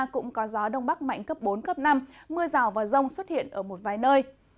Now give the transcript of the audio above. cũng có gió đông bắc mạnh cấp bốn cấp năm mưa rào và rông xuất hiện ở một vài nơi